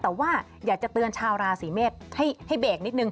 แต่ว่าอยากจะเตือนชาวราศีเมษให้เบรกนิดนึง